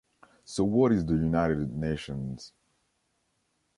So what is the United Nations?